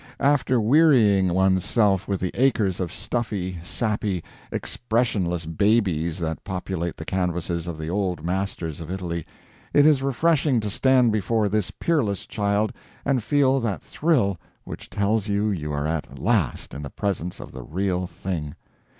After wearying one's self with the acres of stuffy, sappy, expressionless babies that populate the canvases of the Old Masters of Italy, it is refreshing to stand before this peerless child and feel that thrill which tells you you are at last in the presence of the real thing.